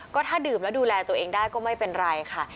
ก็ถ้าดื่มแล้วดูแลตัวเองได้ก็ไม่เป็นไรค่ะ